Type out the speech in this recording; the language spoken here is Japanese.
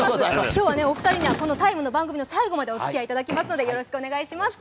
今日はお二人には最後までおつきあいいただきますのでよろしくお願いします。